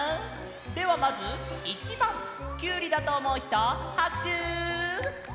ではまず１ばんキュウリだとおもうひとはくしゅ！